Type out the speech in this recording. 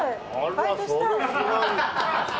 バイトしたい！